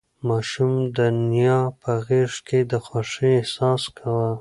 ماشوم د نیا په غېږ کې د خوښۍ احساس کاوه.